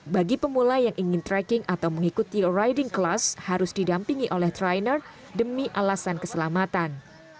bagi pemula yang ingin tracking atau mengikuti riding class harus didampingi oleh trainer demi alasan keselamatan